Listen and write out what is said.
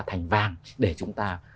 thành vàng để chúng ta